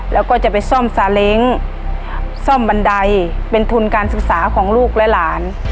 แล้วก็จะไปซ่อมซาเล้งซ่อมบันไดเป็นทุนการศึกษาของลูกและหลาน